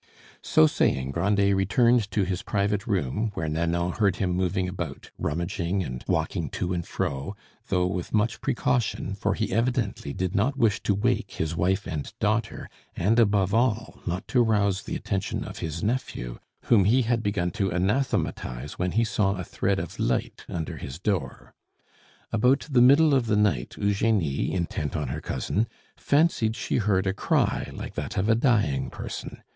So saying, Grandet returned to his private room, where Nanon heard him moving about, rummaging, and walking to and fro, though with much precaution, for he evidently did not wish to wake his wife and daughter, and above all not to rouse the attention of his nephew, whom he had begun to anathematize when he saw a thread of light under his door. About the middle of the night Eugenie, intent on her cousin, fancied she heard a cry like that of a dying person.